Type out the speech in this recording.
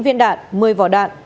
ba mươi chín viên đạn một mươi vỏ đạn